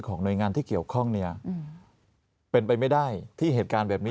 หน่วยงานที่เกี่ยวข้องเนี่ยเป็นไปไม่ได้ที่เหตุการณ์แบบนี้